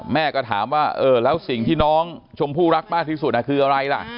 แม่ก็ถามว่าเออแล้วสิ่งที่น้องชมพู่รักมากที่สุดคืออะไรล่ะ